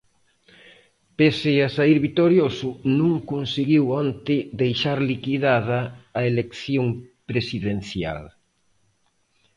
Pese a saír vitorioso, non conseguiu onte deixar liquidada a elección presidencial.